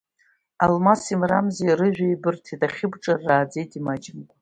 Алмаси Мрамзеи рыжәҩа еибырҭеит, ахьыбҿар рааӡеит имаҷымкәа.